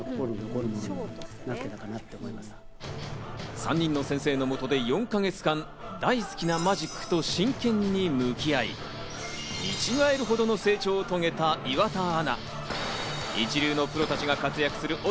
３人の先生のもとで４か月間、大好きなマジックと真剣に向き合い、見違えるほどの成長を遂げた岩田アナ。